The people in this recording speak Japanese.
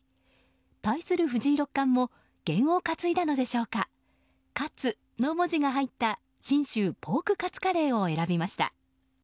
対する藤井六冠も験を担いだのでしょうか「勝」の文字が入った信州ポーク勝カレーを選びました。